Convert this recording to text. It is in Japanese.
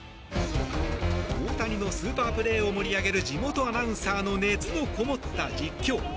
大谷のスーパープレーを盛り上げる地元アナウンサーの熱のこもった実況。